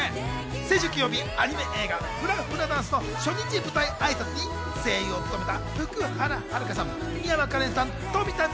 先週金曜日、アニメ映画『フラ・フラダンス』の初日舞台挨拶に声優を務めた福原遥さん、美山加恋さん、富田望